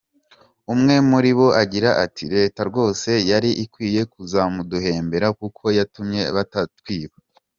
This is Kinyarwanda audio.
Umwe muri bo agira ati “Leta rwose yari ikwiye kuzamuduhembera kuko yatumye batatwiba.